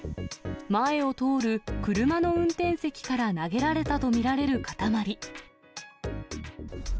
前を通る車の運転席から投げられたと見られる塊。